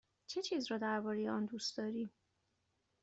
چه چیز را درباره آن دوست داری؟